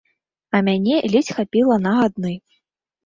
А мяне ледзь хапіла на адны.